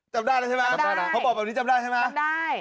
จำได้แล้วใช่ไหมเขาบอกแบบนี้จำได้ใช่ไหม